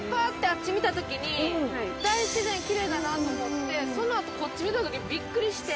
あっち見た時に大自然きれいだなと思ってそのあとこっち見た時ビックリして。